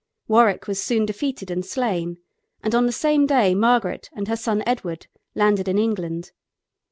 Warwick was soon defeated and slain, and on the same day Margaret and her son Edward landed in England.